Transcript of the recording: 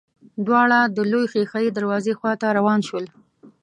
دواړه د لويې ښېښه يي دروازې خواته روان شول.